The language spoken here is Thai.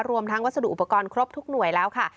รวมทั้งวัสดุอุปกรณ์ครบทุกหน่วยแล้วค่ะ